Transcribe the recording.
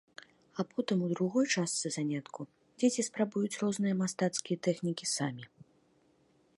А потым у другой частцы занятку дзеці спрабуюць розныя мастацкія тэхнікі самі.